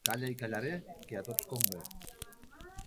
Calla i callaré, que a tots convé.